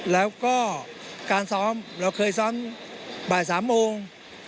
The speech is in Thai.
แล้วก็การซ้อมเราเคยซ้อมบ่าย๓โมง